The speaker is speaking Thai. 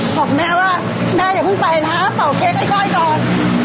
บอกแม่ว่าแม่อย่าเพิ่งไปนะเป่าเค้กให้ก้อยก่อน